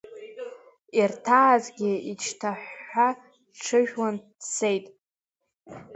Ирҭаазгьы иҽҭаҳәҳәа дҽыжәлан дцеит.